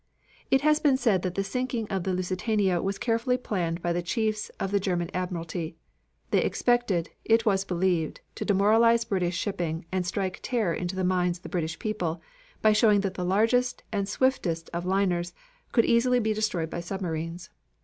It has been said that the sinking of the Lusitania was carefully planned by the chiefs of the German admiralty. They expected, it was believed, to demoralize British shipping and strike terror into the minds of the British people by showing that the largest and swiftest of liners could easily be destroyed by submarines.